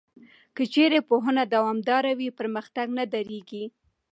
که چېرې پوهنه دوامداره وي، پرمختګ نه درېږي.